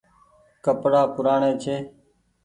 ڪپڙآ پوُرآڻي ڇي۔